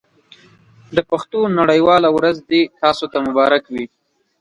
د پښتو نړۍ واله ورځ دې تاسو ته مبارک وي.